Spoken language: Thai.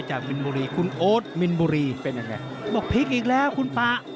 ้าวบอกพิกอีกแล้วคุณปลา